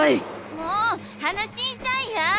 もう離しんさいや！